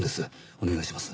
お願いします。